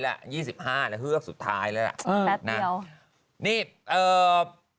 แป๊บเดี๋ยว